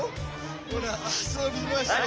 ほらあそびましょう。